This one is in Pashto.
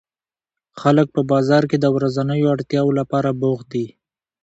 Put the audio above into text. خلک په بازار کې د ورځنیو اړتیاوو لپاره بوخت دي